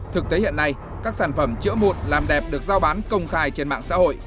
thực tế hiện nay các sản phẩm chữa mụn làm đẹp được giao bán công khai trên mạng xã hội